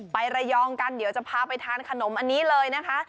ไประยองกันเดี๋ยวจะพาไปทานขนมอันนี้เลยนะคะ